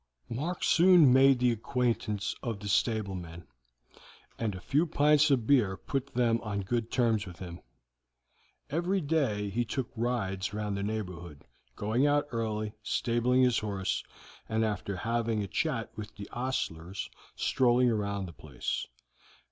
Mark soon made the acquaintance of the stablemen, and a few pints of beer put them on good terms with him. Every day he took rides round the neighborhood, going out early, stabling his horse, and after having a chat with the ostlers, strolling round the place.